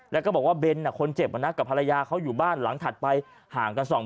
บอกว่าเบนคนเจ็บกับภรรยาเขาอยู่บ้านหลังถัดไปห่างกัน